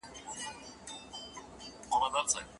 د ده مخاطب روان سیند دی چې بېلتون راولي.